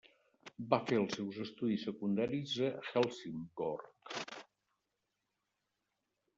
Va fer els seus estudis secundaris a Helsingborg.